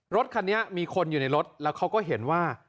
รถคันนี้มีคนอยู่ในรถแล้วเขาก็เห็นว่า